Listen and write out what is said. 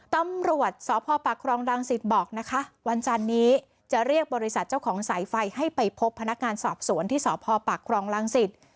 ตำรวจสพปากครองรังสิตบอกนะคะวันจันนี้จะเรียกบริษัทเจ้าของสายไฟให้ไปพบพนักงานสอบสวนที่สพปากครองรังสิต